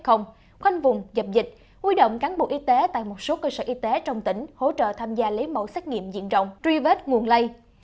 khoanh vùng dập dịch huy động cán bộ y tế tại một số cơ sở y tế trong tỉnh hỗ trợ tham gia lấy mẫu xét nghiệm diện rộng truy vết nguồn lây